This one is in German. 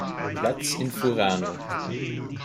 Platz in Furano.